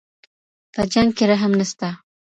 په جنګ کي رحم نسته.